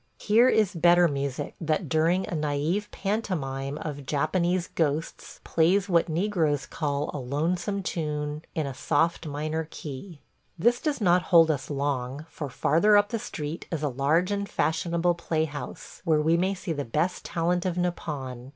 Here is better music, that, during a naïve pantomime of Japanese ghosts, plays what negroes call a "lonesome tune," in a soft minor key. This does not hold us long, for farther up the street is a large and fashionable playhouse, where we may see the best talent of Nippon.